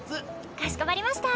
かしこまりました。